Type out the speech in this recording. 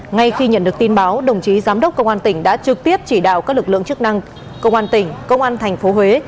ngay khi nhận được tin báo đồng chí giám đốc công an tỉnh đã trực tiếp chỉ đạo các lực lượng chức năng công an tỉnh công an thành phố huế